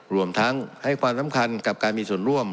รวมทั้งให้ความสำคัญกับการมีส่วนร่วม